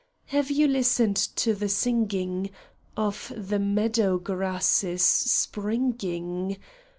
Have you listened to the singing Of the meadow grasses springing